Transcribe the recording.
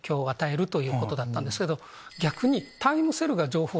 逆に。